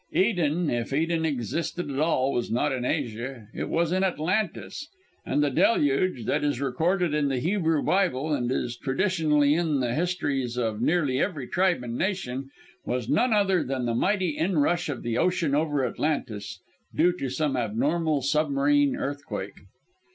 Eden, if Eden existed at all, was not in Asia, it was in Atlantis; and the Deluge, that is recorded in the Hebrew Bible, and is traditional in the histories of nearly every tribe and nation, was none other than the mighty inrush of the ocean over Atlantis, due to some abnormal submarine earthquake.